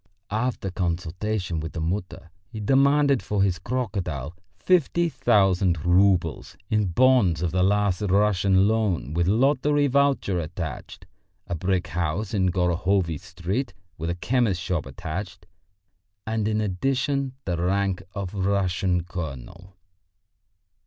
After consultation with the Mutter he demanded for his crocodile fifty thousand roubles in bonds of the last Russian loan with lottery voucher attached, a brick house in Gorohovy Street with a chemist's shop attached, and in addition the rank of Russian colonel.